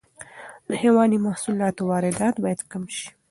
د حیواني محصولاتو واردات باید کم شي.